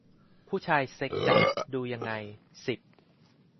ผู้ชายเซ็กส์จัด ดูยังไง สิบ